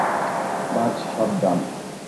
বায, সাবধান!